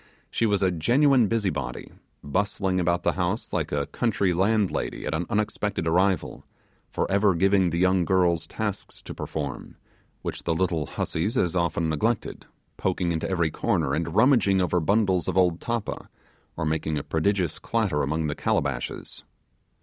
She was a genuine busy body; bustling about the house like a country landlady at an unexpected arrival; for ever giving the young girls tasks to perform, which the little hussies as often neglected; poking into every corner, and rummaging over bundles of old tappa, or making a prodigious clatter among the calabashes.